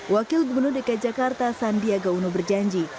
wakil gubernur dki jakarta sandiaga uno berjanji